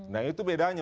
nah itu bedanya